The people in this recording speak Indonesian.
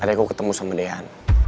tadi aku ketemu sama dehan